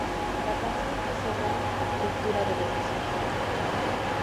La canción es sobre una ruptura dolorosa.